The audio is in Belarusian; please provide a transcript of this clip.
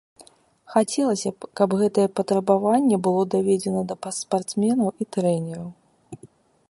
Хацелася б, каб гэтае патрабаванне было даведзена да спартсменаў і трэнераў.